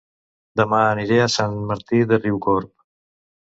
Dema aniré a Sant Martí de Riucorb